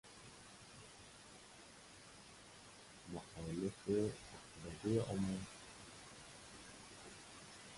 مخالف عقبدۀ عموم